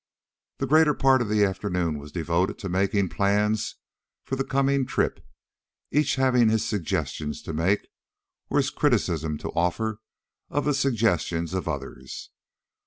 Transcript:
The greater part of the afternoon was devoted to making plans for the coming trip, each having his suggestions to make or his criticism to offer of the suggestions of others.